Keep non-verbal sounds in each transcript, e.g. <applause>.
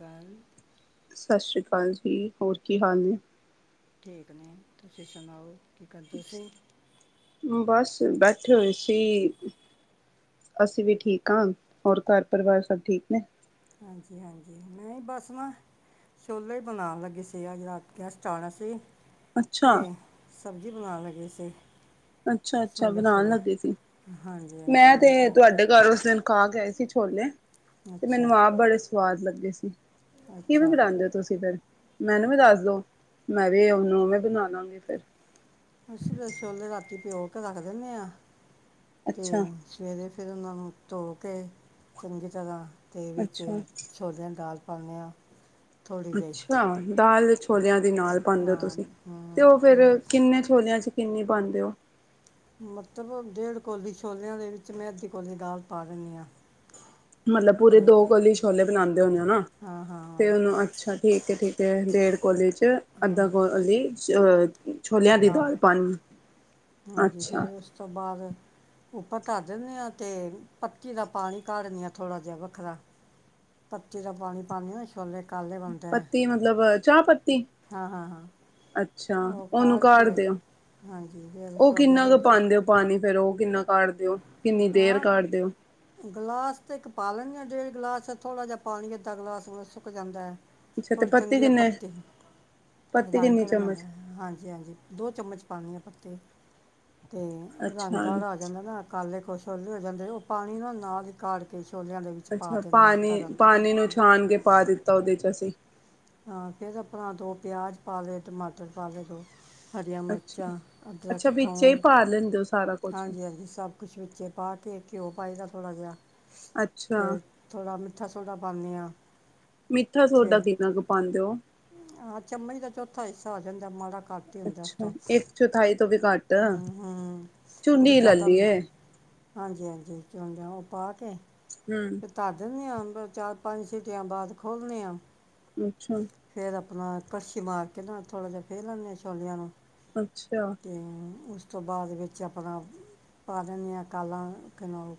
Run ਸਤਿ ਸ੍ਰੀ ਜੀ ਹੋਰ ਕੀ ਹਾਲ ਨੇ ਠੀਕ ਨੇ ਤੁਸੀਂ ਸੁਣਾਓ ਕੀ ਕਰਦੇ ਸੀਸੀਂ ਬਸ ਬੈਠੇ ਹੋਏ ਸੀ ਅਸੀਂ ਵੀ ਠੀਕ ਹਾਂ ਹੋਰ ਘਰ ਪਰਿਵਾਰ ਸਭ ਠੀਕ ਨੇ ਹਾਂਜੀ ਹਾਂਜੀ ਮੈਂ ਬਸ ਨਾ ਛੋਲੇ ਹੀ ਬਣਾਉਣ ਲੱਗੀ ਸੀ ਅੱਜ ਰਾਤ ਗੈਸਟ ਆਉਣਾ ਸੀ ਤੇ ਅੱਛਾ, ਸਬਜ਼ੀ ਬਣਾਉਣ ਲੱਗੇ ਸੀ ਅਤੇ ਅੱਛਾ ਅੱਛਾ ਬਣਾਉਣ ਲੱਗੇ ਸੀ ਹਾਂਜੀ ਹਾਂਜੀ ਮੈਂ ਤੇ ਕਿਹਾ ਤੁਹਾਡੇ ਘਰ ਉਸ ਦਿਨ ਖਾ ਕੇ ਸੀ ਕੀ ਛੋਲੇ ਤੇ ਅੱਛਾ ਮੈਨੂੰ ਆਪ ਬੜੇ ਸਵਾਦ ਲੱਗੇ ਸੀ ਕਿਵੇ ਅੱਛਾ ਬਣਾਉਂਦੇ ਹੋ ਤੁਸੀਂ ਫਿਰ ਮੈਨੂੰ ਵੀ ਦੱਸ ਦੋ ਮੈਂ ਵੀ ਉਹਨੂੰ ਉਵੇਂ ਬਣਾ ਲਾਂਗੀ ਫਿਰ ਅਸੀਂ ਤੇ ਛੋਲੇ ਰਾਤੀ ਭਿਓ ਕੇ ਰੱਖ ਦਿੰਦੇ ਆਾਂ ਤੇ ਅੱਛਾ, ਸਵੇਰੇ ਫਿਰ ਉਹਨਾਂ ਨੂੰ ਧੋ ਕੇ ਚੰਗੀ ਤਰ੍ਹਾਂ ਅਤੇ ਵਿੱਚ ਅੱਛਾ, ਛੋਲਿਆਂ ਨਾਲ ਦਾਲ ਪਾਉਣੇ ਆ ਥੋੜੀ ਜਿਹੀ ਅੱਛਾ ਦਾਲ ਛੋਲਿਆਂ ਦੇ ਨਾਲ ਪਾਂਦੇ ਓ ਹਾਂ ਤੁਸੀਂ ਤੇ ਹਮ, ਉਹ ਫੇਿਰ ਕਿੰਨੇ ਛੋਲਿਆਂ ਚ ਕਿੰਨੀ ਪਾਉਂਦੇ ਹੋ ਮਤਲਬ ਡੇਢ ਕੋੌਲੀ ਛੋਲਿਆਂ ਦੇ ਵਿੱਚ ਮੈਂ ਅੱਧੀ ਕੋੌਲੀ ਦਾਲ ਪਾ ਦਿੰਦੀ ਹਾਂ ਮਤਲਬ ਪੂਰੇ ਅਤੇ ਦੋ ਕੋਲੇ ਛੋਲੇ ਬਣਾਂਦੇ ਾ ਹਾਂ ਹਾਂ ਤੇ ਉਹਨੂੰ ਅੱਛਾ ਠੀਕ ਠੀਕ ਡੇਢ ਓਦੇ ਚ ਅੱਧ ਹਾਂ ਗੋ ਲਈ ਅ ਛੋਲਿਆਂ ਦੀ ਦਾਲ ਪਾਣੀ ਹਾਂਜੀ ਅੱਛਾ ਫਿਰ ਉਸ ਤੋਂ ਬਾਅਦ ਉੱਪਰ ਧਰ ਦਿੰਦੇ ਹਾਂ ਤੇ ਪੱਤੀ ਦਾ ਪਾਣੀ ਪਾਂ ਦਿਨੇ ਆ ਥੋੜਾ ਜਿਹਾ ਵੱਖਰਾ ਪੱਤੀ ਦਾ ਪਾਣੀ ਪਾਉਣੀ ਹ ਛੋਲੇ ਕਾਲੇ ਬਣਦੇ ਹੈ ਪੱਤੀ ਮਤਲਬ ਚਾਹ ਪੱਤੀ ਹਾਂ ਹਾਂ ਅੱਛਾ ਹਾਂ ਉਹ ਉਹਨੂੰ ਕਾਢ ਕਾੜ ਕੇ ਦਿਓ। ਹਾਂਜੀ ਫਿਰ ਉਹ ਛੋਲਿਆਂ ਕਿੰਨਾ ਦੇ ਕੁ ਵਿੱਚ ਪਾਉਂਦੇ ਹੋ ਪਾਣੀ ਫੇਰ ਉਹ ਕਿੰਨਾ ਕਾੜਦੇ ਹੋ ਕਿੰਨੀ ਦੇਰ ਹਾਂ ਕਾੜਦੇ ਹੋ। ਗਲਾਸ ਤੇ ਇੱਕ ਪਾ ਲੈਣੀ ਆ ਡੇਢ ਗਲਾਸ ਥੋੜ੍ਹਾ ਜਿਹਾ ਪਾਣੀ ਅੱਧਾ ਗਲਾਸ ਹੁਣ ਸੁੱਕ ਜਾਂਦਾ ਹੈ ਅੱਛਾ ਤੇ ਥੋੜੇ ਪੱਤੀ ਚੰਗੇ ਆ ਕਿੰਨੇ ਪੱਤੇ ਪੱਤੀ ਰੰਗ ਕਿੰਨੀ ਕਢਨਾ ਚਮਚ ਹਾਂਜੀ ਹਾਂਜੀ ਦੋ ਚਮਚ ਪਾਉਣੀ ਆ ਪੱਤੇ ਅਤੇ ਰੰਗ ਅੱਛਾ ਵਾਲਾ ਆ ਜਾਂਦਾ ਨਾ ੇ ਕੋ ਹੋ ਜਾਂਦੇ ਉਹ ਪਾਣੀ ਨਾਲ ਨਾਲ ਹੀ ਕਾ ਕੇ ਛੋਲਿਆਂ ਦੇ ਵਿੱਚ ਪਾ ਅੱਛਾ ਦਿੰਦੀ ਹਾਂ ਪਾਣੀ ਤਰਨ ਤੋਂ ਪਾਣੀ ਨੂੰ ਪਹਿਲਾਂ ਛਾਣ ਕੇ ਪਾ ਦਿੱਤਾ ਉਹਦੇ ਚ ਅਸੀਂ ਹਾਂ ਫੇਿਰ ਆਪਣਾ ਦੋ ਪਿਆਜ ਪਾ ਲ ਟਮਾਟਰ ਪਾ ਲ ਦੋ ਹਰੀਆਂ ਅੱਛਾ ਮਿਰਚਾਂ ਅਦਰਕ ਅੱਛਾ ਵਿੱਚੇ ਹੀ ਥੋਮ ਪਾ ਲੈਂਦੇ ਹੋ ਸਾਰਾ ਕੁਛ ਹਾਂਜੀ ਹਾਂਜੀ ਸਭ ਕੁਛ ਵਿੱਚ ਪਾ ਕੇ ਘਿਓ ਪਏਦਾ ਥੋੜ੍ਹਾ ਜਿਹਾ ਅੱਛਾ ਤੇ ਥੋੜਾ ਮਿੱਠਾ ਸੋਡਾ ਪਾਉਂਦੇ ਹਾਂ ਮਿੱਠਾ ਸੋਡਾ ਕਿਦਨਾ ਕ ਪਾਂਦੇ ਹੋ ਹਾਂ ਚਮਚ ਦਾ ਚੌਥਾ ਹਿੱਸਾ ਆ ਜਾਂਦਾ ਮਾੜਾ ਘੱਟ ਹੀ ਹੁੰਦਾ ਇਸ ਅੱਛਾ ਤੋਂ ਇੱਕ ਚੌਥਾਈ ਤੋਂ ਵੀ ਘੱਟ ਹੂੰ ਹੂੰ ਉਹ ਵੀ ਚੂੰਡੀ ਲੈ ਜ਼ਿਆਦਾ ਮਿ- ਲਈਏ ਹਾਂਜੀ ਹਾਂਜੀ ਚਾਹੁੰਦੇ ਹੋ ਉਹ ਪਾ ਹਮ ਪਾਂ ਦਿੰਦੇ ਆ ਚਾਰ ਪੰਜ ਸੀਟੀਆਂ ਲਾ ਕੇ ਖੋਲਦੇ ਆਂ ਅੱਛਾ ਆਪਣਾ ਕੜਛੀ ਮਾਰ ਕੇ ਥੋੜ੍ਹਾ ਜਿਹਾ ਫੇਰ ਲੈਂਦੇ ਹਾਂ ਛੋਲਿਆਂ ਨੂੰ ਅੱਛਾ ਅਤੇ ਉਸ ਤੋਂ ਬਾਅਦ ਵਿੱਚ ਆਪਣਾ ਪਾ ਦਨੀਆਂ ਕਾਲਾਂ ਕਲ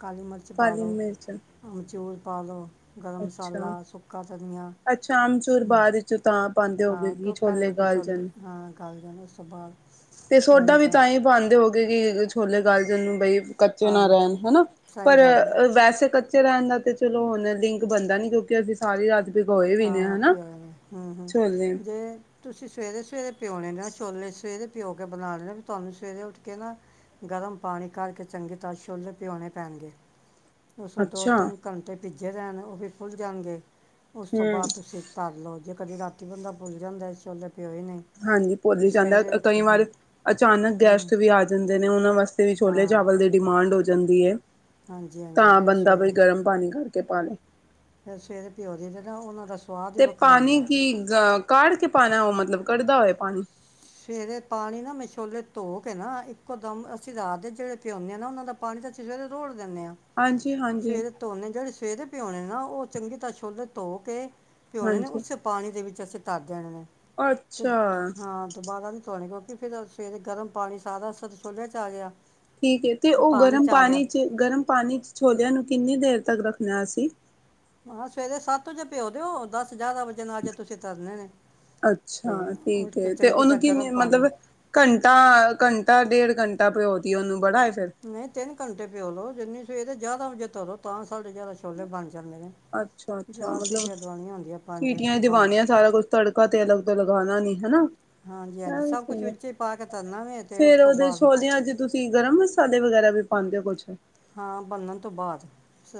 ਕਾਲੀ ਮਿਰਚ ਪਾ ਕਾਲੀ ਦਿਉ ਮਿਰਚ ਅਮਚੂਲ ਪਾ ਲਓ ਗਰਮ ਅੱਛਾ ਮਸਾਲਾ ਸੁੱਕਾ ਧਨੀਆ ਅੱਛਾ ਆਮਚੂਰ ਬਾਅਦ ਵਿੱਚੋਂ ਤਾਂ ਪਾਉਂਦੇ ਹੋਗੇ ਹਾਂ ਕਿ ਉਹ ਛੋਲੇ ਪਹਿਲੇ ਗਾਲ ਪਿੱਛੋਂ ਜਾਣ ਹਾਂ ਕਰਦੇਣ ਉਸ ਤੋਂ ਬਾਅਦ ਤੇ ਸੋਡਾ ਚੰਗੀ ਵੀ ਤਰ੍ਹਾਂ ਤਾਂ ਹੀ ਪਾਉਂਦੇ ਹੋ ਹੋਵੋ ਗੇ ਕਿ ਛੋਲੇ ਗੱਲਜਨ ਨੂੰ ਬਈ ਕੱਚੇ ਨਾ ਹਾਂ ਰਹਿਣ ਹਨਾ ਪਰ ਸਹੀ ਗੱਲ ਹੈ ਵੈਸੇ ਕ ਰਹਿੰਦਾ ਤੇ ਚਲੋ ਹੁਣ ਲਿੰਕ ਬਣਦਾ ਨੀ ਕਿਉਂਕਿ ਅਸੀਂ ਸਾਰੀ ਰਾਜ ਛੋਲੇ ਜੇ ਤੁਸੀਂ ਸਵੇਰੇ ਸਵੇਰੇ ਪਿਉਣੇ ਨਾ ਛੋਲੇ ਸਵੇਰੇ ਭਿਓ ਕੇ ਬਣਾ ਲੈਂਦੇ ਵੀ ਤੁਹਾਨੂੰ ਸਵੇਰੇ ਉੱਠ ਕੇ ਨਾ ਗਰਮ ਪਾਣੀ ਕਰਰਕੇ ਚੰਗੀ ਤਰ੍ਹਾਂ ਛੁੱਲ੍ਹੇ ਪਿਉਣੇ ਪੈਣਗੇ ਉਸੋ ਦੋ ਅੱਛਾ ਤਿੰਨ ਘੰਟੇ ਭੀਜੇ ਰਣ ਉਹ ਵੀ ਭੁੱਲ ਜਾਣਗੇ ਉਸ ਤੋਂ ਹਮ ਬਾਅਦ ਤੁਸੀਂ ਤਰ ਲਓ ਜੇ ਕਦੀ ਰਾਤੀ ਬੰਦਾ ਭੁੱਲਦਾ ਚੱਲ ਹਾਂਜੀ ਭੁੱਲ ਜਾਂਦਾ ਕਈ ਕੇ ਵਾਰ ਹੂੰ ਅਚਾਨਕ ਹੂੰ ਗੈਸਟ ਵੀ ਆ ਜਾਂਦੇ ਨੇ ਉਹਨਾਂ ਵਾਸਤੇ ਛੋਲੇ ਹਾਂ ਚਾਵਲ ਦੇ ਡਿਮਾਂਡ ਵੰਡ ਹੋ ਜਾਂਦੀ ਹੈ ਹਾਂਜੀ ਹਾਂਜੀ ਤਾਂ ਫਿਰ ਬੰਦਾ ਬਈ ਗਰਮ ਪਾਣੀ ਕਰਕੇ ਕੇ ਪਾਾਲੇ ਫ ਸੇ ਦੇ ਪਿਓ ਦੀ ਜਿਹੜਾ ਉਹਨਾਂ ਦਾ ਸਵਾਦ ਹੀ ਤੇ ਵੱਖਰਾ ਹੁੰਦਾ ਪਾਣੀ ਹੈ। ਕਿ ਅ ਕਾੜ ਕੇ ਪਾਉਣਾ ਉਹ ਮਤਲਬ ਕੱਢਦਾ ਹੋਏ ਪਾਣੀ ਸਵੇਰੇ ਪਾਣੀ ਨਾ ਮੈਂ ਛੋਲੇ ਧੋ ਕੇ ਨਾ ਇੱਕੋ ਦਮ ਅਸੀਂ ਰਾਹਦੇ ਜਿਹੜੇ ਪਿਉਂਦੇ ਹਾਂ ਨਾ ਉਹਨਾਂ ਦਾ ਪਾਣੀ ਤਾਂ ਅਸੀਂ ਸਵੇਰੇ ਰੋੜ ਦਿੰਦੇ ਆਾਂ ਹਾਂਜੀ ਹਾਂਜੀ ਫਵੇਰ ਧੋਨੇ ਜਿਹੜੇ ਸਿਹਰੇ ਪਿਉਣੇ ਨਾ ਉਹ ਚੰਗੀ ਤਰ੍ਹਾਂ ਛੁੱਲੇ ਧੋ ਕੇ ਪ ਉਹੇ ਨੇ ਹਾਂਜੀ ਉਸੇ ਪਾਣੀ ਦੇ ਵਿੱਚ ਅਸੀਂ ਤਰ ਦੇਣੇ ਨੇ ਅੱਛਾ ਨ ਤਉਣੇ ਕਿਉਂਕਿ ਫਿਰ ਸਵੇਰੇ ਗਰਮ ਪਾਣੀ ਸਾਰਾ ਸ ਛੋਲਿਆ ਚ ਆ ਗਿਆ ਠੀਕ ਤੇ ਉਹ ਗਰਮ ਪਾਣੀ ਚ ਗਰਮ ਪਾਣੀ ਚ ਛੋਲਿਆਂ ਨੂੰ ਕਿੰਨੀ ਦੇਰ ਤੱਕ ਰੱਖਣਾ ਅਸੀਂ ਮ ਕਿਹਾ ਸਵੇਰੇ ਸੱਤ ਵਜੇ ਪਿਓ ਦਿਓ ਦਸ ਗਿਆਰਾਂ ਵਜੇ ਨਾਲ ਜੇ ਤੁਸੀਂ ਤਰਨੇ ਨੇ ਤੇ ਅੱਛਾ ਉੱਠ ਠੀਕ ਕੇ ਹੈ ਤੇ ਚੰਗੀ ਉਹਨੂੰ ਤਰ੍ਹਾਂ ਗਰਮ ਕਿਨਂ ਪਾਣੀ ਮਤਲਬ ਘੰਟਾ ਘੰਟਾ ਡੇਢ ਘੰਟਾ ਾਿਓਦੀ ਉਹਨੂੰ ਬੜਾ ਫਿਰ ਨਹੀਂ ਤਿੰਨ ਘੰਟੇ ਪਿਓ ਲੋੋ ਜਿੰਨੀ ਸਵੇਰੇ ਜਿਆਦਾ ਜੋ ਤਾਂ ਤੁਡੇ ਜ਼ਿਆਦਾ ਛੋਲੇ ਬਣ ਜਾਂਦੇ ਨੇ ਅੱਛਾ ਅੱਛਾ ਜਾਂਿਆ ਮਤਲਬ ਸੀਟੀਆਂ ਦਵਾਈੀਆਂ ਹੁੰਦੀਆਂ ਪੰਜ ਤੇ ਪੰਜ ਲਗਾਉਣਾ ਨੀ ਹਨਾ ਮ ਵੀ ਸਭ ਕੁਝ ਸਹੀ ਹੈ ਵਿੱਚ ਹੀ ਪਾ ਕੇ ਤਰਨਾ ਵੇ ਤੇ ਉਸ ਫੇਰ ਤੋਂ ਉਹਦੇ ਬਾਅਦ ਛੋਲਿਆਂ ਚ ਤੁਸੀਂ ਗਰਮ ਮਸਾਲੇ ਵਗੈਰਾ ਵੀ ਪਾਉਂਦੇ ਹੋ ਕੁਛ ਹਾਂ ਬਨਣ ਤੋਂ ਬਾਅਦ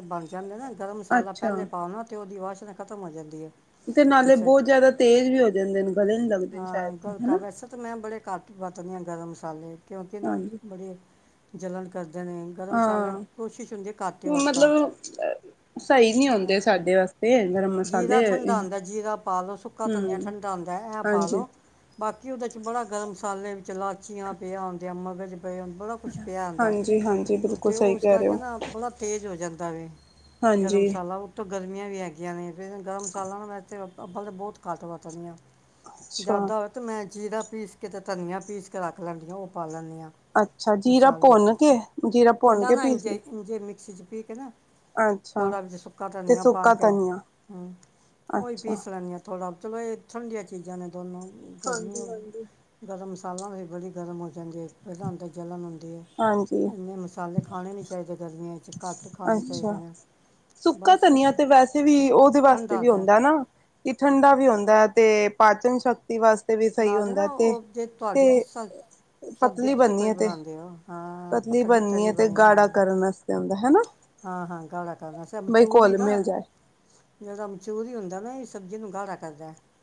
ਬਣ ਜਾਂਦੇ ਨਾ ਗਰਮ ਮਸਾਲਾ ਅੱਛਾ ਪਹਿਲੇ ਪਾਉ ਅਤੇ ਉਹਦੇ ਬਾਅਦ ਖਤਮ ਹੋ ਜਾਂਦੀ ਹੈ ਤੇ ਨਾਲੇ ਜਿਸ ਬਹੁਤ ਜਿਆਦਾ ਤੇਜ਼ ਵੀ ਹੋ ਜਾਂਦੇ ਨੇ ਗਲੇ ਨੀ ਲੱਗਦੇ ਨੇ ਹਾਂ ਸ਼ਾਇਦ ਤੋਂ ਗਲਕਾ ਹਨਾ। ਵੈਸੇ ਤੇ ਮੈਂ ਬੜੇ ਕੱਟ ਵਤਦੀ ਆ ਗਰਮ ਕਾਲੇ ਕਿਉਂਕਦੇ ਨਾ ਹਾਂਜੀ ਬੜੇ ਜਲਣ ਕ ਹਾਂ ਘੱਟ ਹੀ ਉਹ ਵਰਤਾਂ ਮਤਲਬ ਸਹੀ ਨੀ ਹੈਂ ਆਉਂਦੇ ਸਾਡੇ ਵਾਸਤੇ ਗਰਮ ਜੀਰਾ ਮਸਾਲੇ ਠੰਡਾ ਆਦਾ ਜੀਰਾ ਪਾ ਲਓ ਸੁੱਕਾ ਧਨੀੀਆਂ ਹੂੰ ਠੰਡਾ ਆਦਾ ਹੈ ਪਾ ਹਾਂਜੀ। ਲਓ ਬਾਕੀ ਉਹਦੇ 'ਚ ਬੜਾ ਗਰਮ ਮਸਾਲੇ ਚਲਾਚੀਆਂ ਪਿਆਉਂਦਿਆਂ ਮਗਰ ਬੜਾ ਕੁਛ ਪਿਆ ਆਦਾ ਹਾਂਜੀ-ਹਾਂਜੀ ਬਿਲਕੁਲ ਅਤੇ ਸਹੀ ਉਸ ਕਹਿ ਰਹੇ ਕਰਕੇ ਹੋ ਨਾ ਬੜਾ ਤੇਜ਼ ਹੋ ਜਾਂਦਾ ਵੇ ਗਰਮ ਹਾਂਜੀ ਮਸਾਲਾ ਉਤੋਂ ਗਰਮੀਆਂ ਵੀ ਹੈਗ ਫ ਗਰਮ ਮਸਾਲਾ ਨੂੰ ਮੈ ਅੱਬਲ ਤਾਂ ਬਹੁਤ ਘੱਟ ਵਰਤਦੀ ਆ। ਅੱਛਾ। ਜ਼ਿਆਦਾ ਹੋਵੇ ਤੇ ਮੈਂ ਜੀਰਾ ਪੀਸ ਕੇ ਤੇ ਧਨੀਆ ਪੀਸ ਕੇ ਰੱਖ ਲੈਂਦੀਆਂ ਉਹ ਪਾ ਲੈਂਦੀ ਆਂ। ਅੱਛਾ ਜੀਰਾ ਭੁੰਨ ਕੇ ਜੀਰਾ ਭੁੰਨ ਕੇ ਪੀਸੀ ਠੀਕ ਹੈ ਨਾ ਅੱਛਾ ਥੋੜ੍ਹਾ ਵਿੱਚ ਸੁੱਕਾ ਤੇ ਧਨੀਆ ਪਾ ਸੁੱਕਾ ਕੇ ਧਨੀਆ ਹੂੰ, ਉਹੀ ਅੱਛਾ। ਪੀਸ ਲੈਣੀ ਆ ਤੂੰ ਉਪਲਬਧ ਵੇ ਠੰਡੀਆਂ ਚੀਜ਼ਾਂ ਨੇ ਦੋਨੋ ਗਰਮੀ ਹਾਂਜੀ ਹਾਂਜੀ। ਹੋਗੀ ਗਰਮ ਸੀ ਤਾਲਾਂ ਵੀ ਬੜੀ ਗਰਮ ਹੋ ਜਾਂਦੀ ਐ ਪਹਿਲਾਂ ਅੰਦਰ ਜਲਣ ਹਾਂਜੀ ਇਨੇ ਮਸਾਲੇ ਖਾਣੇ ਨਹੀਂ ਚਾਹੀਦੇ ਗਰਮੀਆਂ ਚ ਘੱਟ ਖਾਣੇ ਚਾਹੀਦੇ ਅੱਛਾ ਨੇ ਸੁੱਕਾ ਬਸ ਧਨੀਆ ਕੁਛ ਤੇ ਵੈਸੇ ਉਹਦੇ ਵਾਸਤੇ ਵੀ ਹੁੰਦਾ ਨਾ ਕਿ ਠੰਡਾ ਵੀ ਹੁੰਦਾ ਤੇ ਪਾਚਨ ਸ਼ਕ ਤੀ ਵਾਸਤੇ ਵੀ ਸਹੀ ਨਾਲੇ ਹੁੰਦਾ ਨਾ ਤੇ ਉਹ ਜੇ ਤੁਹਾਡੀ ਤੇ ਜਿਸ ਤਰ੍ਹਾਂ ਸਬਜ਼ੀ ਪਤਲੀ ਤੁਸੀਂ ਬਣਨੀ ਕੋਈ ਹੈ ਤੇ ਬਣਾਉਂਦੇ ਹੋ ਹਾਂ ਪਤਲੀ ਬਣਨੀ ਹੈ ਤਰੀ ਤੇ ਬਣੀ ਹਾਂ ਗਾੜਾ ਕਰਨ ਵਾਸ ਹਨਾ, ਹਾਂ, ਹਾਂ ਗਾਲਾ ਕਰ ਬਈ ਮਚੂਰ ਵੀ ਘੁਲ ਨਾ ਮਿਲ ਜਾਏ। ਜਿਹੜਾ ਮਚੂਰ ਹੀ ਹੁੰਦਾ ਨਾ ਇਹ ਸਬਜ਼ੀ ਨੂੰ ਗਲ ਰੱਖ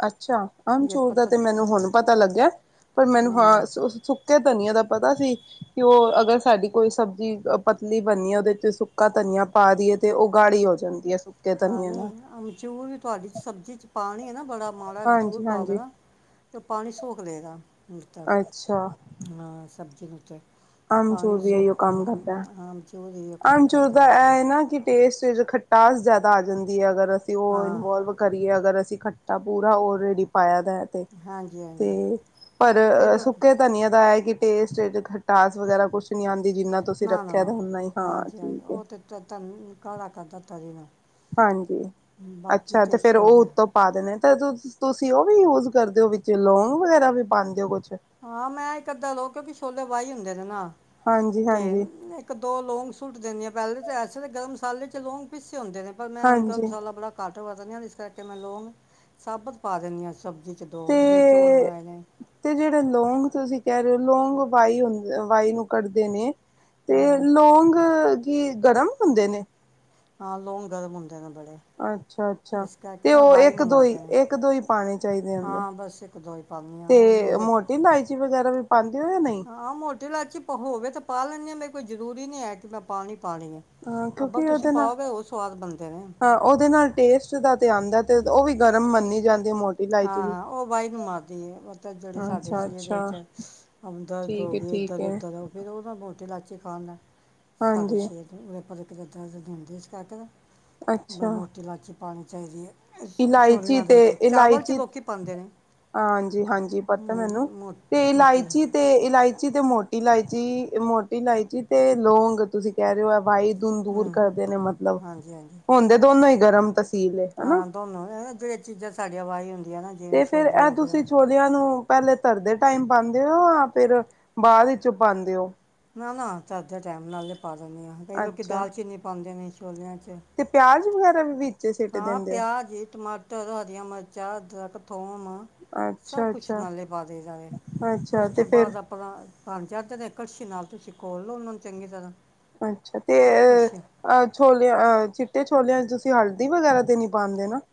ਅੱਛਾ ਆਮ ਚੂਰ ਦਾ ਤੇ ਮੈਨੂੰ ਹੁਣ ਪਤਾ ਲੱਗਿਆ। ਪਰ ਮੈਨੂੰ ਨਹੀਂ ਨਹੀਂ ਹਾਂ ਸੁੱਕੇ ਧਨੀਆ ਦਾ ਪਤਾ ਸੀ ਕਿ ਉਹ ਅਗਰ ਸਾਡੀ ਕੋਈ ਸਬਜ਼ੀ ਪਤਲੀ ਬਣਨੀ ਹੈ ਉਹਦੇ ਚ ਸੁੱਕਾ ਧਨੀਆ ਪਾ ਰਏ ਤੇ ਉਹ ਗਾੜੀ ਹੋ ਜਾਂਦੀ ਐ। ਹਾਂ ਨਹੀਂ ਆਮਚੂਰ ਵੀ ਤੁਹਾਡੀ ਚ ਸਬਜ਼ੀ ਚ ਪਾਣੀ ਨਾ ਬੜਾ ਮਾੜਾ ਆਮਚੂਰ ਹਾਂਜੀ ਪਾ ਹਾਂਜੀ ਦੇਨਾ ਤੇ ਪਾਣੀ ਸੋਖ ਲਏਗਾ। ਤਾਂ ਅੱਛਾ, ਹਾਂ ਸਬਜ਼ੀ ਵਿੱਚ ਆਮਚੂਰ ਵੀ ਇਹੀਓ ਕੰਮ ਕਰਦਾ ਹਾਂ ਅਮਚੂਰ ਹੀ ਕੰਮ ਆਮਚੂਰ ਕਰਦਾ ਦਾ ਹੈ ਇਹ ਨਾ ਕਿ ਟੇਸਟ ਚ ਖਟਾਸ ਜ਼ਿਆਦਾ ਆ ਜਾਂਦੀ ਹੈ ਅਗਰ ਅਸੀਂ ਉਹ ਹਾਂ ਇਨਵੋਲਵ ਕਰੀਏ ਅਗਰ ਅਸੀਂ ਖੱਟਾ ਪੂਰਾ ਓਲਰਡੀ ਪਾਇਆ ਸੀ। ਤੇ ਹਾਂਜੀ ਹਾਂਜੀ ਤੇ ਪਰ ਕਈ ਲੋਕ ਸੁੱਕੇ ਧਨੀਆਂ ਦਾ ਕਿ ਟੇਸਟ ਹੈ ਤੇ ਖਟ ਟਾਸ ਵਗੈਰਾ ਕੁਛ ਨੀ ਆਉਂ ਨਾ ਨਾ ਨਾ ਹਾਂਜੀ ਹਾਂਜੀ ਠੀਕ ਹੈ ਉਹ ਤੇ ਤ ਕਾਲਾ ਕਰਦਾ ਤਰੀ ਨਾ ਹਾਂਜੀ ਅੱਛਾ ਤੇ ਫਿਰ ਉਹ ਉੱਤੋਂ ਪਾ ਦੇਣੇ ਤੇ ਤੂੰ ਤੁਸੀਂ ਉਹ ਵੀ ਯੂਜ ਕਰਦੇ ਹੋ ਵਿੱਚ ਲੌਂਗ ਵਗੈਰਾ ਵੀ ਪਾਉਂਦੇ ਹੋ ਕੁਛ ਹਾਂ ਮੈਂ ਇੱਕ ਅੱਧਾਂ ਲੋ ਕੇ ਪ ਛੋਲੇ ਵਾਈ ਹੁੰਦੇ ਨੇ ਨਾ ਹਾਂਜੀ ਤੇ ਹਾਂਜੀ ਇੱਕ ਦੋ ਲੋਂਂਗ ਸੂਟ ਦਿੰਦੀਆਂ ਪਹਿਲੇ ਅਤੇ ਐਸੇ ਤਾਂ ਗਰਮ ਮਸਾਲੇ ਚ ਲੌਂਗ ਪੀ ਹੁੰਦੇ ਨੇ ਪਰ ਮੈਂ ਹਾਂਜੀ ਮਸਾਲਾ ਬੜਾ ਘੱਟ ਵਰਤਦੀ ਹ ਜਿਸ ਕਰਕੇ ਮੈਂ ਲੋੋਂਗ ਸਾਬਤ ਪਾ ਦਿੰਦੀ ਹਾਂ ਸਬਜ਼ੀ ਦੋ ਜੇ ਚੌਲ ਬਣਾਏ ਨੇ ਜਿਹ ਲੌਂਗ ਤੁਸੀਂ ਕਹਿ ਰਹੇ ਹੋ ਲੌਂਗ ਵਾਈ ਹੁੰ ਵਾਈ ਨੂੰ ਕੱਢਦੇ ਨੇ ਤੇ ਹਾਂ ਲੌਗ ਕੀ ਗਰਮ ਹੁੰਦੇ ਨੇ ਹਾਂ ਲੌਗ ਗਰਮ ਹੁਣ ਅੱਛਾ ਅੱਛਾ ਤੇ ਨਾ ਉਹ ਇੱਕ ਵਾਈਨ ਦੋ ਹੀ ਮਾਰਦੇ ਨੇ ਇੱਕ ਦੋ ਹੀ ਪਾਣੇ ਚਾਹੀਦੇ ਆਦੇ ਹਾਂ ਬਸ ਇੱਕ ਦੋ ਹੀ ਪਾਉਂਦੀ ਹਾਂ ਉਹ ਤੇ ਮੇਰੀ ਤਾਂ ਮੋਟੀ ਇਲਾਇਚੀ ਵਗੈਰਾ ਵੀ ਪਾਉਂਦੇ ਹੋ ਜਾਂ ਨਹੀਂ ਹਾਂ ਮੋਟੀ ਲਾਚੀ ਹੋਵੇ ਤੇ ਪਾ ਲੈਂਦੇ ਹਾਂ ਮੈਂ ਕੋਈ ਜ਼ਰੂਰੀ ਨਹੀਂ ਹੈ ਕਿ ਮੈਂ ਪਾਣੀ ਹਾਂ ਕਿਉਂਕਿ ਉਹਦੇ ਨਾਲ ਸਵਾਦ ਬਣਦੇ ਨੇ ਹਾਂ ਉਹਦੇ ਨਾਲ ਟੇਸਟ ਦਾ ਤੇ ਆਉਂਦਾ ਤੇ ਉਹ ਵੀ ਗਰਮ ਮੰਨੀ ਜਾਂਦੀ। ਹੈ ਮੋਟੀ ਇਲਾਇਚੀ ਹਾਂ ਵੀ ਹਾਂ ਉਹ ਬਾਈ ਨੂੰ ਮਾਰਦੀ ਹੈ ਮਤਲਬ ਜਿਹੜੇ ਸਾਡੇ ਅੱਛਾ ਸ਼ੇ ਦੇ ਅੱਛਾ ਵਿੱਚ ਅਮਦਰਦ ਹੋ ਠੀਕ ਹੈ ਗਈ ਠੀਕ ਇੱਧਰ ਹੈ ਉੱਧਰ ਫਿਰ ਉਹ ਨਾ ਮੋਟੀ ਲਾਚੀ ਜਿਖਾਉਣਾ ਸਾਡੇ ਹਾਂਜੀ ਛੇ ਤੋਂ ਉਹ ਜੱਦਾਂ ਦਾ ਦਿੰਦੇ ਸੀ ਕੱਟ ਦਾ ਪਰ ਅੱਛਾ ਮੋਟੀ ਲਾਚੀ ਪਾਣੀ ਚਾਹੀਦੀ ਹੈ ਇਸ ਇਲਾਇਚੀ ਛੋਲਿਆਂ ਦੇ ਤੇ ਵਿੱਚ ਚਾਵਲ 'ਚ ਇਲਾਇਚੀ ਲੋਕੀ ਪਾਉਂਦੇ ਨੇ ਹਾਂਜੀ ਹਾਂਜੀ ਪਤਾ ਹੂੰ ਮੈਨੂੰ ਮੋ ਤੇ ਮੋਟੀ ਇਲਾ ਇਲਾਇਚੀ ਤੇ ਇਲਾਇਚੀ ਤੇ ਮੋ ਇਲਾਇਚੀ ਮੋਟੀ ਇਲਾਇਚੀ ਤੇ ਲੋਂਂਗ ਤੁਸੀਂ ਕਹਿ ਰਹੇ ਹੋ ਵਾਈ ੳਹਨੂੰ ਦੂਰ ਹੂੰ ਕਰਦੇ ਨੇ ਮਤਲਬ ਹਾਂਜੀ ਹਾਂਜੀ ਹੁੰਦੇ ਦੋਨੋਂ ਹੀ ਗਰਮ ਤਾਂ <unintelligible> ਐਂਵੇ ਜਹੜੀਆਂ ਚੀਜ਼ਾਂ ਸਾਡੀ ਵਾਈ ਹੂਂਦੀ ਤੇ ਫੇਰ ਇਹ ਤੁਸੀਂ ਛੋਲਿਆਂ ਨੂੰ। ਪਹਿਲੇ ਧਰਦੇ ਟਾਈਮ ਪਾਉਂਦੇ ਹੋ ਯਾਂ, ਫਿਰ ਬਾਅਦ ਵਿੱਚੋਂ ਪਾਉਂਦੇ ਹੋ। ਨਾ ਨਾ ਧਰਦੇ ਟਾਈਮ ਨਾਲੇ ਪਾ ਦਿੰਨੀ ਹਾਂ ਕਈ ਲੋਕ ਅੱਛਾ ਦਾਲਚੀਨੀ ਪਾਉਂਦੇ ਨੇ। ਛੋਲਿਆਂ 'ਚ ਤੇ ਪਿਆਜ਼ ਵਗੈਰਾ ਵੀ ਸਿੱਟ ਹਾਂ ਦਿੰਦੇ ਹੋ ਪਿਆਜ਼ ਟਮਾਟਰ ਹਰੀਆਂ ਮਿਰਚਾਂ ਅਦਰਕ, ਥੋਮ ਸਭ ਅੱਛਾ ਕੁਛ ਅੱਛਾ ਨਾਲੇ ਪਾ ਦਈ ਦਾ ਵੇ ਅੱਛਾ ਉਸ ਤੇ ਤੋਂ ਫੇਰ ਬਾਅਦ ਆਪਣਾ ਬਾਣ ਜਾਂਦੇ ਨੇ ਕੜਛੀ ਨਾਲ ਤੁਸੀਂ ਕੋਲ ਲਓ ਉਹਨਾਂ ਨੂੰ ਚੰਗੀ ਤਰ੍ਹਾਂ। ਅੱਛਾ ਤੇ ਕੜਛੀ ਅਹ ਛੋਲਿਆਂ ਅਹ ਚਿੱਟੇ ਛੋਲਿਆਂ ਚ ਤੁਸੀਂ ਹਲਦੀ ਵਗੈਰਾ ਤੇ ਨੀ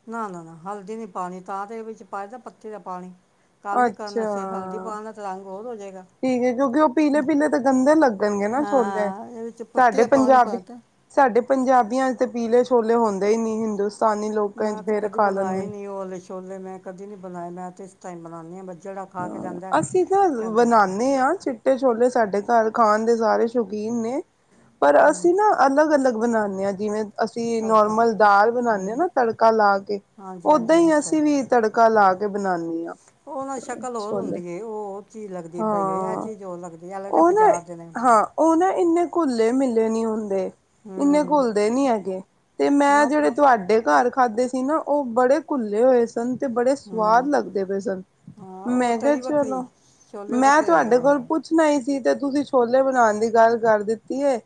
ਨਾ ਨਾ ਨਾ ਹਲਦੀ ਨੀ ਪਾਣੀ ਤਾਂ ਤੇ ਵਿੱਚ ਪਾਇਦਾ ਪੱਤੇ ਦਾ ਪਾਣੀ। ਕਾਲੇ ਕਰਨ ਅਸੀਂ ਹਲਦੀ ਅੱਛਾ ਪਾਉਣ ਨਾਲ ਤਾਂ ਰੰਗ ਹੋਰ ਹੋ ਜਾਏਗਾ ਠੀਕ ਹੈ ਕਿਉਂਕਿ ਉਹ ਪੀਲੇ ਪੀਲੇ ਤਾਂ ਗੰਦੇ ਲੱਗਣਗੇ ਨਾ ਛੋਲੇ ਹਾਂ ਇਹਦੇ ਵਿੱਚ ਪੱਤੀ ਸਾਡੇ ਦਾ ਪਾਣੀ ਪੰਜਾਬ ਪਾਤਾ ਸਾਡੇ ਪੰਜਾਬੀਆਂ ਚ ਤੇ ਪੀਲੇ ਛੋ ਛੋਲੇ ਹੁੰਦੇ ਹੀ ਨੀ ਹਿੰਦੁਸ ਮੈਂ ਤੇ ਕਦੀ ਬਣਾਏ ਨੀ ਓਹ ਵਾਲੇ ਛੋਲੇ ਮੈਂ ਕਦੀ ਨੀ ਬਣਾਏ ਮੈਂ ਤੇ ਟਮ ਬਉਦੇ ਹਾਂ <unintelligible> ਕੇ ਹਾਂ ਜਾਂਦਾ ਅਸੀਂ ਤਾਂ ਕਹਿੰਦਾ ਬਣਾਦੇ ਹਾਂ ਚਿੱਟੇ ਛੋਲੇ ਸਾਡੇ ਘਰ ਖਾਨ ਦੇ ਸਾਰੇ ਸ਼ੌਕੀਨ ਨੇ। ਪਰ ਹੂੰ ਅਸੀਂ ਨਾ ਅਲੱਗ ਅਲੱਗ ਬਣਾਉਣੇ ਜਿਵੇਂ ਅਸੀਂ ਤੜਕਾ ਨੋਰਮਲ ਦਾਲ ਬਣਾਦੇ ਹਾਂ ਹੂੰ ਨਾ ਤੜਕਾ ਲਾ ਕੇ ਹਾਂਜੀ ਓਦਾਂ ਹਾਂਜੀ ਹੀ ਅੱਛਾ ਅਸੀਂ ਵੀ ਤੜਕਾ ਲਾ ਕੇ ਤੇ ਬਨਾਨੀ ਆਂ। ਉਹ ਨਾ ਸ਼ਕਲ ਹੋਰ ਹੁੰਦੀ ਹੇ, ਉਹ ਹੋਰ ਚੀਜ਼ ਲੱਗਦੀ ਪਈ ਹੇ। ਇਹ ਹਾਂ। ਚੀਜ਼ ਹੋਰ ਲੱਗਦੀ ਐੰਜ ਲਗਦਾ ਉਹ ਨਾ ਬਾਜ਼ਾਰ ਦੇ ਨੇ। ਹਾਂ ਉਹ ਨਾ ਇੰਨੇ ਘੁੱਲੇ ਮਿਲੇ ਨਹੀਂ ਹੁੰਦੇ। ਇੰਨੇ ਹੂੰ ਘੁੱਲਦੇ ਨੀ ਹੈਗੇ ਤੇ ਮੈਂ ਨਾ ਜਿਹੜੇ ਤੁਹਾਡੇ ਘਰ ਖਾਧੇ ਸੀ ਨਾ ਉਹ ਬੜੇ ਘੁੱਲੇ ਹੋਏ ਸੀ। ਸਨ ਤੇ ਬੜੇ ਸਵਾਦ ਹੂੰ ਲੱਗਦੇ ਪਏ ਸਨ। ਹਾਂ ਉਹ ਮੈਂ ਕਿਹਾ ਤਰੀ ਵੱਖਰੀ ਚਲੋ ਛੋਲੇ ਮੈਂ ਵੱਖਰੇ ਹੁੰਦੇ ਤੁਹਾਡੇ ਕੋਲ ਨੇ ਪੁੱਛਣਾ ਹੀ ਸੀ। ਤੇ ਤੁਸੀਂ ਛੋਲੇ ਬਣਾਉਣ ਦੀ ਗੱਲ ਕਰ ਦਿੱਤੀ ਹੈ,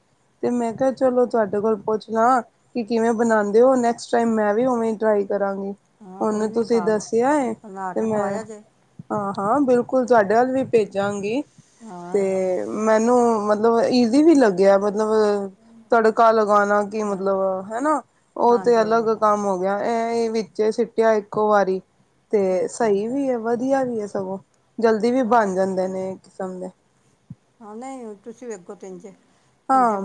ਤੇ ਮੈਂ ਕਿਹਾ ਚਲੋ ਤੁਹਾਡੇ ਕੋਲ ਪੁੱਛਲਾ, ਕਿ ਕਿਵੇਂ ਬਣਾਉਂਦੇ ਹੋ ਨੈਕਸਟ ਟਾਈਮ ਮੈਂ ਵੀ ਉਵੇਂ ਟਰਾਈ ਕਰਾਂਗੀ ਹਾਂ ਕੋਈ ਹੂਨ ਨਹੀਂ ਤੁਸੀਂ ਖਾ ਦੱਸਿਆ ਹੈ ਬਣਾ ਤੇ ਕੇ ਮੈਂ ਖਵਾਇਆ ਜੇ ਹਾਂ ਹਾਂ ਬਿਲਕੁਲ ਤੁਹਾਡੇ ਵੱਲ ਵੀ ਭੇਜਾਂਗੀ ਹਾਂ ਤੇ ਮੈਨੂੰ ਮਤਲਬ ਮਤਬ ਵੀ ਲੱਗਿਆ ਮਤਲਬ ਤੜਕਾ ਲਗਾਉਣਾ ਕੀ ਜਾਣੇ ਮਤਲਬ ਹਨਾ ਉਹ ਤੇ ਹਾਂਜੀ ਅਲੱਗ ਹਾਂਜੀ ਕੰਮ ਹੋ ਗਿਆ ਇਹ ਵਿੱਚ ਸਿੱਟਿਆ ਇੱਕੋ ਵਾਰੀ ਤੇ ਅੱਛਾ ਸਹੀ ਵੀ ਹੈ ਵਧੀਆ ਵੀ ਹੈ ਸਗੋਂ ਜਲਦੀ ਵੀ ਬਣ ਜਾਂਦੇ ਨੇ ਕਿਸਮ ਦੇ ਹ ਨਹੀਂ ਤੁਸੀਂ ਵੇਗੋ ਤਿੰਨਜੇ ਹਾਂ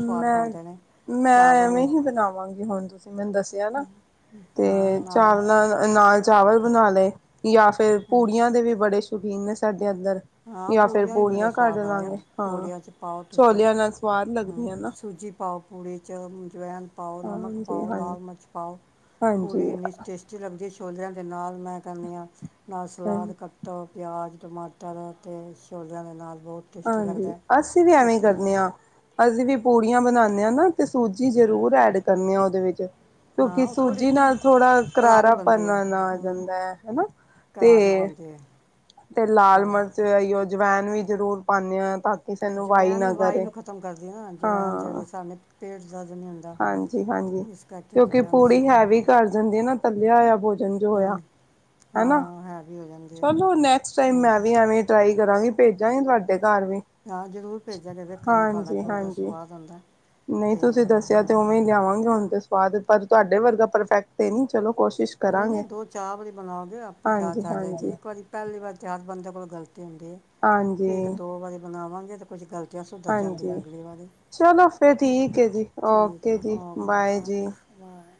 ਸਵਾਦ ਮੈਂ ਬਣਦੇ ਨੇ ਮੈਂ ਚਾਵਲ ਐਵੇਂ ਵੀ ਹੀ ਬਣਾਵਾਂਗੀ ਹੁਣ ਤੁਸੀਂ ਮੈਨੂੰ ਦੱਸਿਆ ਨਾ ਤੇ ਹਾਂ ਨਾਲ ਚਾਵਲਾਂ ਅ ਚਾਵਲ ਬਣਾ ਲਏ ਜਾਂ ਫੇਿਰ ਹੈਂ। ਪੂੜੀਆਂ ਦੇ ਵੀ ਬੜੇ ਸੁਟੀਨ ਨੇ ਸਾਡੇ ਅੰਦਰ ਹਾਂ ਜਾਂ ਫਿਰ ਵੀ ਬੜੀਆਂ ਪੂੜੀਆਂ ਕੱਢ ਸਵਾਦ ਬਣਦੀਆਂ ਲਾਂਗੇ ਹਾਂ ਪੂੜੀਆਂ 'ਚ ਪਾਓ ਤੁਸੀਂ ਛੋਲਿਆਂ ਨਾਲ ਸਵਾਦ ਹਾਂ ਲੱਗਦੀਆਂ ਨਾ ਸੂਜੀ ਪਾਓ ਪੂੜੀ 'ਚ ਅਜਵਾਇਣ ਪਾਓ ਨਮਕ ਹਾਂਜੀ ਪਾਓ ਹਾਂਜੀ ਲਾਲ ਮਿਰਚ ਹਾਂਜੀ ਛੋਲਰਿਆਂ ਦੇ ਨਾਲ ਮੈਂ ਕਰਨ ਹਾਂ ਨਾਲ ਹਾਂ ਸਲਾਦ ਕੱਟੋ ਪਿਆਜ਼ ਟਮਾਟਟਰ ਟਰ ਅਤੇ ਸ਼ੋਜਾਂ ਦੇ ਨਾਲ ਬਹੁਤ ਟੇਸਟੀ ਹਾਂਜੀ ਲੱਗਦਾ ਅਸੀਂ ਵੀ ਐਵੇਂ ਹੀ ਕਿਤੇ ਕਰਦੇ ਹਾਂ ਅਸੀਂ ਵੀ ਪੂੜੀਆਂ ਬਣਾਉਂਦੇ ਹਾਂ ਨਾ ਤੇ ਸੂਜੀ ਜ਼ਰੂਰ ਐਡ ਕਰਨੇ ਆ ਉਹਦੇ ਵਿੱਚ ਹਾਂ ਕਿਉਂਕਿ ਉਹ ਥੋੜ੍ਹੀ ਸੂਜੀ ਨਾਲ ਥੋੜਾ ਕਰਾਰੀ ਕਰਾਰਾ ਬਣਦੀ ਹੈ ਭਰਨਾ ਨਾ ਆ ਹਾਂ ਜਾਂਦਾ ਹੈ ਹਨਾ ਤੇ ਕਰਾਰੀ ਬਣਦੀ ਹੈ ਤੇ ਲਾਲ ਥੋੜ੍ਹੀ ਮਿਰਚ ਆਈ ਜਵਇਣ ਵੀਈ ਜ਼ਰੂਰ ਪਾਉਂਦੇ ਹਾਂ ਤਾਂ ਸਾਨੂੰ ਵਾਈ ਜਵੈਨ ਵੀ ਨਾ ਵਵਾਾਈ ਕਰੇ ਨੂੰ ਖਤਮ ਕਰਦੀ ਆ ਨਾ ਜਵੈਣ ਹਾਂ ਜਿਹੜੀ ਸਾਡੇ ਪੇੜ ਹਾਂਜੀ ਹਾਂਜੀ ਕਿਉਂਕਿ ਅਜਵਾਇਣ ਅਸੀਂ ਪੂੜੀ ਪਾਉਂਦੇ ਹੈਵੀ ਕਰ ਜਾਂਦੀ ਹੈ ਨਾ ਤੱਲਿਆ ਹੋਇਆ ਭੋਜਨ ਜੋ ਹੋਇਆ ਹਾਂ ਹਨਾ ਹਾਂ ਹੈਵੀ ਹੋ ਜਾਂਦੀ ਹੈ ਚਲੋ ਨੈਕਸਟ ਟਮ ਹਾਂ ਮੈਂ ਵੀ ਐਵੇਂ ਟਰਾਈ ਕਰਾਂਗੀ ਭੇਜਾਂ ਹੀ ਤੁਹਾਡੇ ਘਰ ਵੀ ਹਾਂ ਜ਼ਰੂਰ ਭੇਜਾਂਗੇ ਵੇਖਾਂਗੇ ਤੁਹਾਡਾ ਹਾਂਜੀ ਘਿੋ ਜਿਹਾ ਹਾਂਜੀ। ਸਵਾਦ ਆੁੰਦਾ ਨਹੀਂ ਤੁਸੀਂ ਦੱਸਿਆ ਤੇ ਉਵੇਂ ਲਿਆਵਾਂਗੇ ਹੁਣ ਤੇ ਸਵਾਦ ਏ। ਪਰ ਤੁਹਾਡੇ ਵਰਗਾ ਪਰਫੈਕਟ ਤੇ ਨੀ। ਨਹੀਂ-ਨਹੀਂ, ਦੋ-ਚਾਹ ਬਾਰੀ ਬਣਾਓਗੇ ਆਪੇ ਹਾਂਜੀ, ਜਾਚ ਆ ਹਾਂਜੀ, ਜਾਏਗੀ। ਇੱਕ ਵਾਰੀ ਪਹਿਲੀ ਵਾਰ ਤਯਾਰ ਬੰਦੋ ਕੋਲ ਗਲ ਹੁੰਦੇ। ਤੇ ਹਾਂਜੀ, ਇੱਕ-ਦੋ ਵਾਰੀ ਬਣਾਵਾਂ ਏ ਤੋ ਕੁਛ ਗਲ ਤਾਂ ਸੁਧਰ ਜਾਂਦਿਂਆਂ ਹਾਂਜੀ ਅਗਲੀ ਵਾਰੀ। ਚਲੋ ਫਿਰ ਹੈ ਠੀਕ। ਜੀ ਠੀਕ ਓਕੇ ਹੈ। ਜੀ ਬਾਏ ਜੀ। ਓਕੇ-ਓਕੋ। ਬਾਏ।